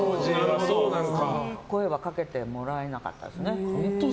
声はかけてもらえなかったですね。